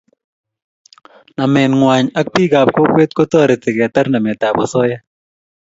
namet nguay ak pik am kokwet kotareti ketar namet ap osoya